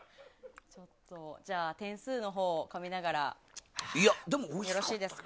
じゃあ点数のほうをかみながら、よろしいですか？